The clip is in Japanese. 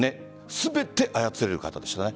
全て操れる方でした。